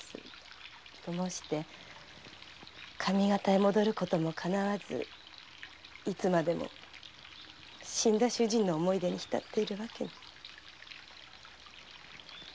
と申して上方へ戻ることもかなわずいつまでも死んだ主人の思い出に浸っているわけにも。